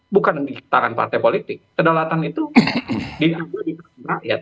bukan menciptakan partai politik kedaulatan itu diambil di tangan rakyat